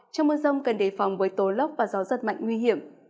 trong mưa rông cần đề phòng với tố lốc và gió rất mạnh nguy hiểm